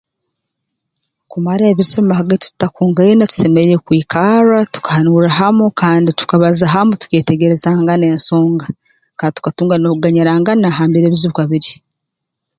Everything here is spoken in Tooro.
Kumara ebizibu hagati tutakungaine tusemeriire kwikarra tukahanurra hamu kandi tukabaza hamu tukeetegerezangana ensonga kandi tukatunga n'okuganyirangana ha mbere ebizibu bikuba biri